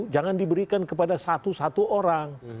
jangan diberikan kepada satu satu orang